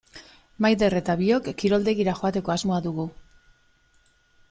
Maider eta biok kiroldegira joateko asmoa dugu.